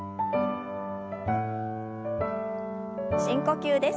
深呼吸です。